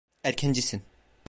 Erkencisin.